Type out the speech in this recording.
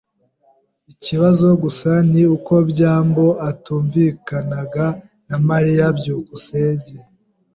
Ikibazo gusa ni uko byambo atumvikanaga na Mariya. byukusenge